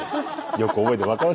よく覚えてる。